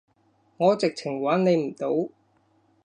我直情揾你唔到